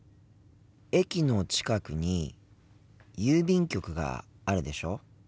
駅の近くに郵便局があるでしょ。